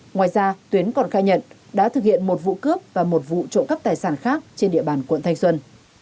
ngoài ra tuyến còn khai nhận đã thực hiện một vụ cướp và một vụ trộm cắp tài sản khác trên địa bàn quận thanh xuân